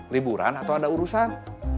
liburan atau ada urusan